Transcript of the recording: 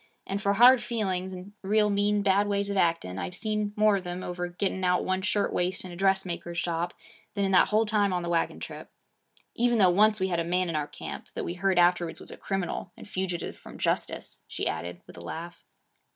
And for hard feelings, and real mean bad ways of acting, I've seen more of them over getting out one shirt waist in a dressmaker's shop, than in that whole time on the wagon trip. Even though once we had a man in our camp that we heard afterwards was a criminal and fugitive from justice,' she added with a laugh.